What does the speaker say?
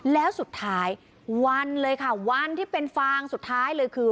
แล้วสุดท้ายวันเลยค่ะวันที่เป็นฟางสุดท้ายเลยคือ